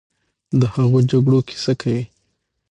د هغو جګړو کیسه کوي،